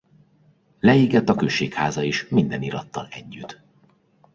Leégett a községháza is minden irattal együtt.